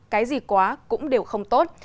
cái gì quá cũng đều không tốt